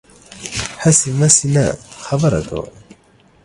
هسې مسې نه، خبره کوه